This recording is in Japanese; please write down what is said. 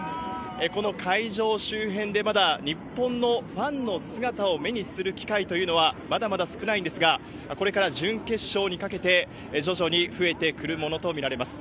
この会場周辺で、まだ日本のファンの姿を目にする機会というのは、まだまだ少ないんですが、これから準決勝にかけて、徐々に増えてくるものと見られます。